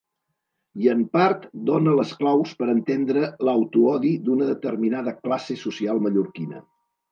I en part dóna les claus per entendre l'autoodi d'una determinada classe social mallorquina.